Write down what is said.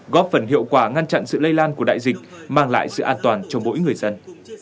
góp phần hiệu quả ngăn chặn sự lây lan của đại dịch mang lại sự an toàn cho mỗi người dân